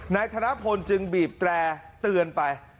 นายธนพลจึงบีบแตร่เตือนไป